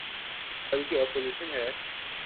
بلکہ اپوزیشن ہے۔